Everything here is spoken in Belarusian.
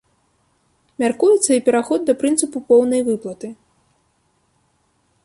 Мяркуецца і пераход да прынцыпу поўнай выплаты.